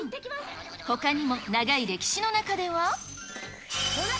ほかにも、長い歴史の中では。